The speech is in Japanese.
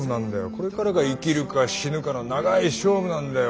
これからが生きるか死ぬかの長い勝負なんだよ。